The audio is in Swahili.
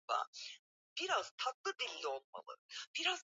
kamati ya wataalamu ya umoja wa mataifa ilichunguza ukiukaji wa sheria